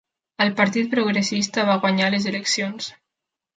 El partit progressista va guanyar les eleccions.